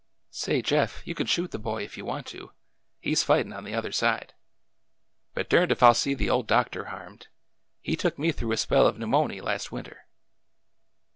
" Say, Jeff, you can shoot the boy if you want to. He 's fightin' on the other side. But derned if I 'll see the old doctor harmed ! He took me through a spell of pneumony last winter."